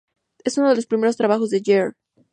Es uno de los primeros trabajos de Jarre.